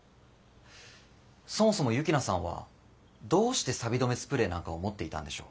そもそも幸那さんはどうしてサビ止めスプレーなんかを持っていたんでしょう。